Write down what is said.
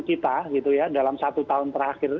kita gitu ya dalam satu tahun terakhir